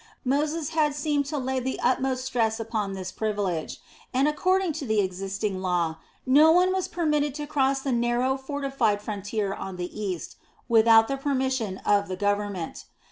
Moses had seemed to lay the utmost stress upon this privilege, and according to the existing law, no one was permitted to cross the narrow fortified frontier on the east without the permission of the government.